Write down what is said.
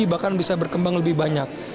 bahkan bisa berkembang lebih banyak